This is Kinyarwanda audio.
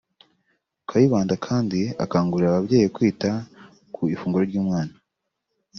Kayibanda kandi akangurira ababyeyi kwita ku ifunguro ry’umwana